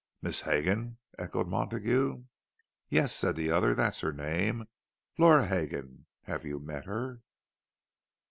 "Miss Hegan?" echoed Montague. "Yes," said the other. "That's her name—Laura Hegan. Have you met her?"